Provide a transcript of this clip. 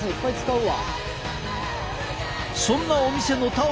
うわ。